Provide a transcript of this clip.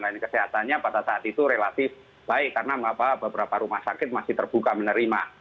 layanan kesehatannya pada saat itu relatif baik karena beberapa rumah sakit masih terbuka menerima